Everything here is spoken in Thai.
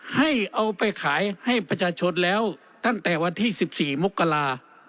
ให้เอาไปขายให้ประชาชนแล้วตั้งแต่วันที่๑๔มกรา